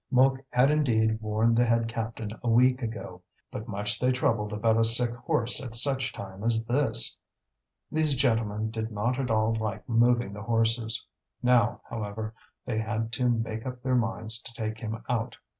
Mouque had indeed warned the head captain a week ago. But much they troubled about a sick horse at such time as this! These gentlemen did not at all like moving the horses. Now, however, they had to make up their minds to take him out.